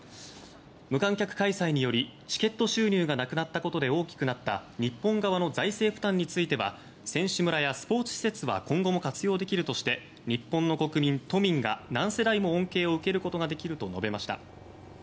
無観客開催によりチケット収入がなくなったことで大きくなった日本側の財政負担については選手村やスポーツ施設は今後も活用できるとして日本の国民、都民が何世代も恩恵を受けることができると述べました。